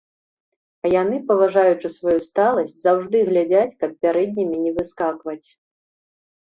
А яны, паважаючы сваю сталасць, заўжды глядзяць, каб пярэднімі не выскакваць.